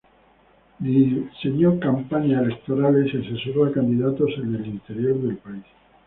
Diseñó campañas electorales y asesoró a candidatos en el interior del país.